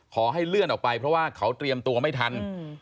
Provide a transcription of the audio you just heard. ขอให้เลื่อนออกไปเพราะว่าเขาเตรียมตัวไม่ทัน